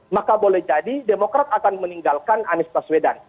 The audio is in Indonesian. maka boleh jadi demokrat akan meninggalkan anies baswedan